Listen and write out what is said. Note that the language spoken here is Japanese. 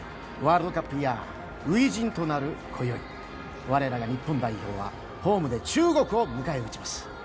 ワールドカップイヤー初陣となる、こよい我らが日本代表はホームで中国を迎え撃ちます。